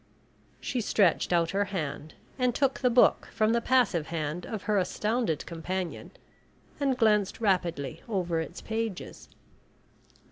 She stretched out her hand and took the book from the passive hand of her astounded companion, and glanced rapidly over its pages.